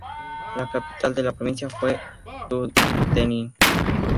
La capital de la provincia fue Dunedin.